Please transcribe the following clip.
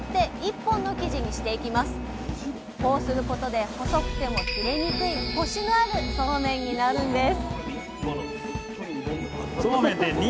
こうすることで細くても切れにくいコシのあるそうめんになるんです